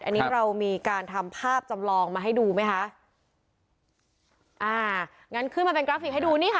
อันนี้เรามีการทำภาพจำลองมาให้ดูไหมคะอ่างั้นขึ้นมาเป็นกราฟิกให้ดูนี่ค่ะ